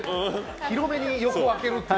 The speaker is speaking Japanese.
広めに横を開けると。